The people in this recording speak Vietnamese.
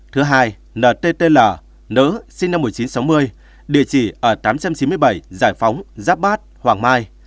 thứ hai ntl nữ sinh năm một nghìn chín trăm sáu mươi địa chỉ ở tám trăm chín mươi bảy giải phóng giáp bát hoàng mai